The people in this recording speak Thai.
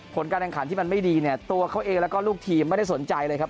ผลการแข่งขันที่มันไม่ดีเนี่ยตัวเขาเองแล้วก็ลูกทีมไม่ได้สนใจเลยครับ